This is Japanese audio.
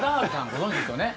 ご存じですよね？